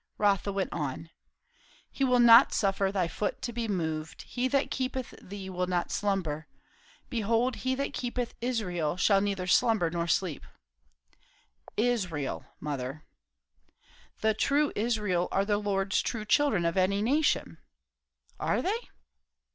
Rotha went on. "'He will not suffer thy foot to be moved; he that keepeth thee will not slumber. Behold, he that keepeth Israel shall neither slumber nor sleep.' Israel, mother." "The true Israel are the Lord's true children, of any nation." "Are they?